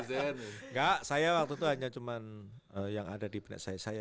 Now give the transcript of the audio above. enggak saya waktu itu hanya cuma yang ada di benak saya